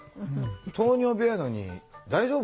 糖尿病やのに大丈夫？